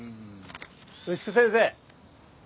牛久先生。